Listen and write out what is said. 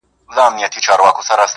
دادی حالاتو سره جنگ کوم لگيا يمه زه,